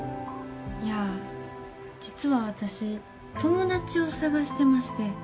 いや実は私友達を捜してまして。